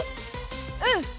うん！